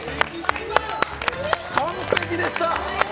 完璧でした！